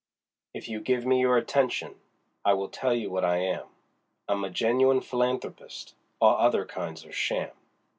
If you give me your attention, I will tell you what I am: I'm a genuine philanthropist all other kinds are sham.